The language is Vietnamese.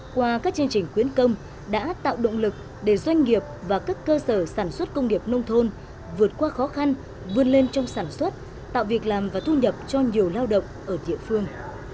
qua các chương trình quyến công đã tạo động lực để doanh nghiệp và các cơ sở sản xuất công nghiệp nông thôn vượt qua khó khăn vươn lên trong sản xuất tạo việc làm và thu nhập cho nhiều lao động ở địa phương